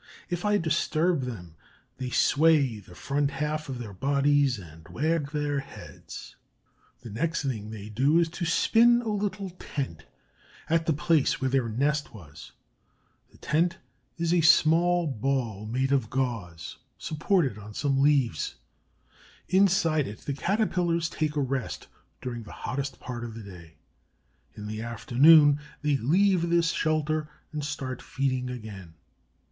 If I disturb them, they sway the front half of their bodies and wag their heads. [Illustration: "When winter is near they will build a stronger tent."] The next thing they do is to spin a little tent at the place where their nest was. The tent is a small ball made of gauze, supported on some leaves. Inside it the Caterpillars take a rest during the hottest part of the day. In the afternoon they leave this shelter and start feeding again.